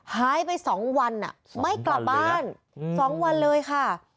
หายไป๒วันไม่กลับบ้าน๒วันเลยค่ะ